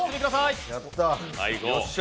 よっしゃ！